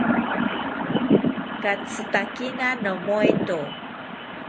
Katzitakena nomoeto